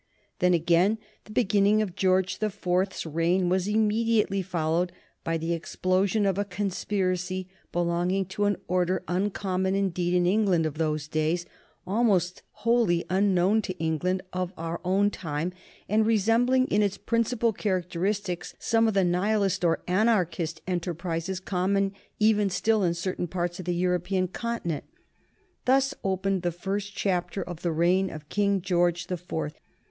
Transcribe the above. Then, again, the beginning of George the Fourth's reign was immediately followed by the explosion of a conspiracy belonging to an order uncommon indeed in the England of those days, almost wholly unknown to the England of our own time, and resembling in its principal characteristics some of the Nihilist or Anarchist enterprises common even still in certain parts of the European continent. Thus opened the first chapter of the reign of King George the Fourth.